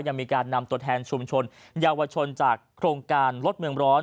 ยังมีการนำตัวแทนชุมชนเยาวชนจากโครงการลดเมืองร้อน